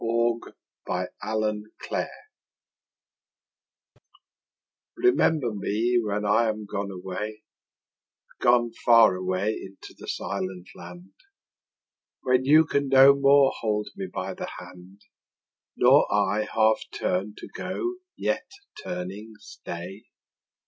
Christina Rossetti Remember REMEMBER me when I am gone away, Gone far away into the silent land; When you can no more hold me by the hand, Nor I half turn to go yet turning stay.